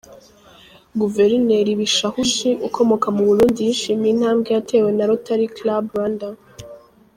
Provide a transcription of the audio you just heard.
Guverineri Bishahushi ukomoka mu Burundi yishimiye intambwe yatewe na Rotary Club Rwanda.